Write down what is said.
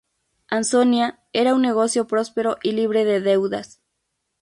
Ansonia era un negocio próspero y libre de deudas.